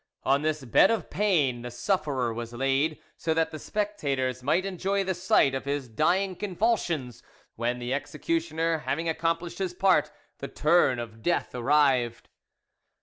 On this bed of pain the sufferer was laid, so that the spectators might enjoy the sight of his dying convulsions when, the executioner having accomplished his part, the turn of death arrived.